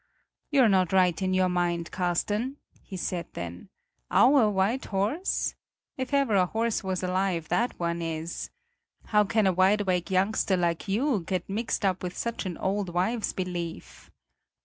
"You're not right in your mind, Carsten," he said then; "our white horse? If ever a horse was alive, that one is. How can a wide awake youngster like you get mixed up with such an old wives' belief!"